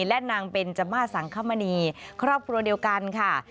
และนางเบนจมาสสังคมณีครอบครัวเดียวกันค่ะ